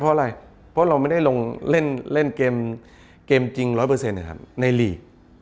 เพราะเราไม่ได้ลงเล่นเกมจริง๑๐๐นะครับในลี